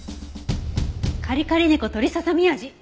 カリカリ猫鶏ささみ味！